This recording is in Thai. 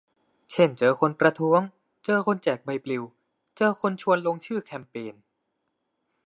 เช่น เจอคนประท้วง เจอคนแจกใบปลิว เจอคนชวนลงชื่อแคมเปญ